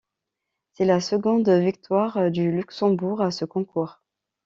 C'est la seconde victoire du Luxembourg à ce concours.